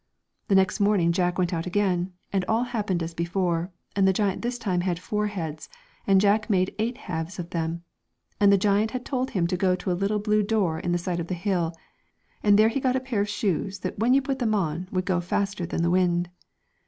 The next morning Jack went out again, and all happened as before, and the giant this time had four heads, and Jack made eight halves of them. And the giant had told him to go to a little blue door in the side of the hill, and there he got a pair of shoes that when you put them on would go faster than the wind.